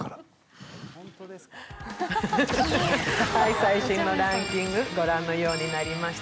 最新のランキング、御覧のようになりました。